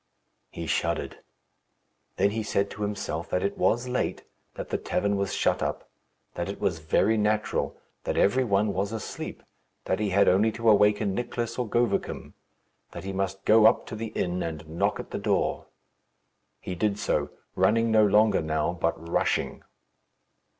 He shuddered. Then he said to himself that it was late; that the tavern was shut up; that it was very natural; that every one was asleep; that he had only to awaken Nicless or Govicum; that he must go up to the inn and knock at the door. He did so, running no longer now, but rushing.